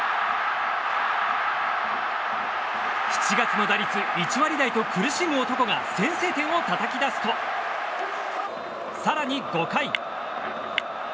７月の打率１割台と苦しむ男が先制点をたたき出すと更に５回。